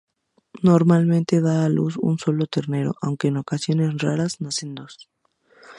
Normalmente da luz a un solo ternero, aunque en ocasiones raras nacen dos.